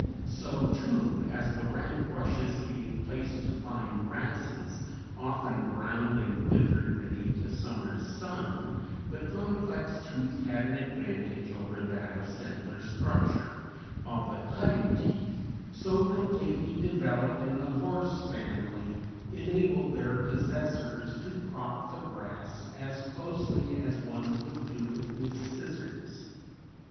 So, too, as the rank rushes gave place to fine grasses, often browned and withered beneath the summer's sun, the complex tooth had an advantage over that of simpler structure, while the cutting teeth, so completely developed in the horse family, enabled their possessors to crop the grass as closely as one could do it with scissors.